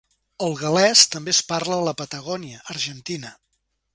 El gal·lès també es parla a la Patagònia, Argentina.